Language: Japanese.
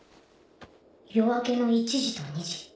夜明けの１時と２時。